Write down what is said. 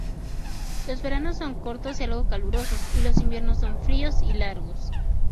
Los veranos son cortos y algo calurosos y los inviernos son fríos y largos.